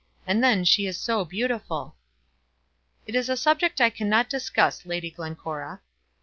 And then she is so beautiful!" "It is a subject that I cannot discuss, Lady Glencora."